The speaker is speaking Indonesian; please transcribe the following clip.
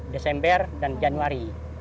desember dan januari